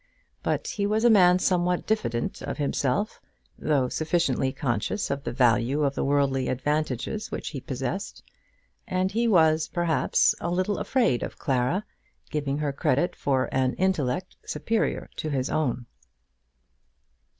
But he was a man somewhat diffident of himself, though sufficiently conscious of the value of the worldly advantages which he possessed; and he was, perhaps, a little afraid of Clara, giving her credit for an intellect superior to his own.